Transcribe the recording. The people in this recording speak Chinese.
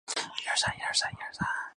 滨海伯内尔维尔人口变化图示